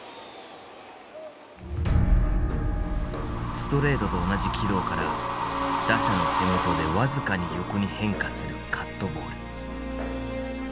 ストレートと同じ軌道から打者の手元で僅かに横に変化するカットボール。